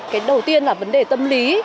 cái đầu tiên là vấn đề tâm lý